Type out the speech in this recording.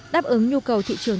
đáp ứng nhu cầu thị trường